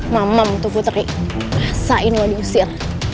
mamam tuh putri rasain gue diusir